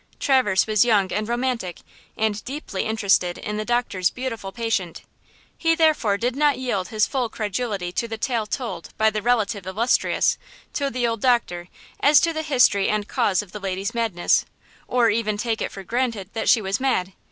Traverse was young and romantic, and deeply interested in the doctor's beautiful patient. He, therefore, did not yield his full credulity to the tale told by the "relative illustrious" to the old doctor, as to the history and cause of the lady's madness, or even take it for granted that she was mad.